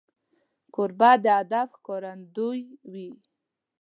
کوربه د ادب ښکارندوی وي.